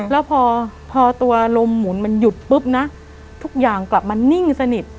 แล้วพอตัวลมหมุนมันหยุดปุ๊บนะทุกอย่างกลับมานิ่งสนิท